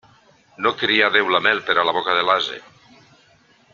No crià Déu la mel per a la boca de l'ase.